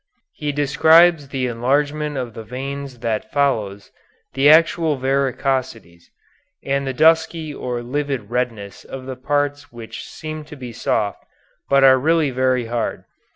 He describes the enlargement of the veins that follows, the actual varicosities, and the dusky or livid redness of the parts which seem to be soft, but are really very hard.